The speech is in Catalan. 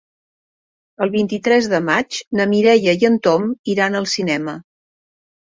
El vint-i-tres de maig na Mireia i en Tom iran al cinema.